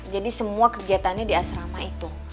jadi semua kegiatannya di asrama itu